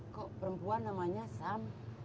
kok perempuan namanya sam